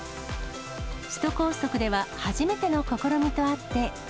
首都高速では初めての試みとあって。